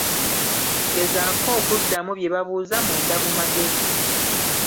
Gezaako okuddamu bye babuuza munda mu magezi.